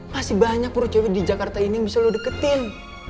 masih banyak purc di jakarta ini yang bisa lo deketin